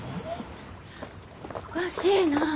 おかしいなぁ。